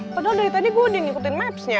padahal dari tadi gue udah ngikutin mapsnya